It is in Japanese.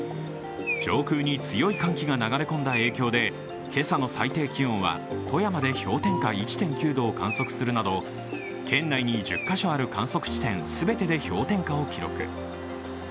上空に強い寒気が流れ込んだ影響でけさの最低気温は富山で氷点下１．９度を観測するなど県内に１０カ所ある観測地点全てで氷点下を記録。